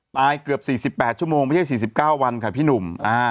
เกือบ๔๘ชั่วโมงไม่ใช่๔๙วันค่ะพี่หนุ่ม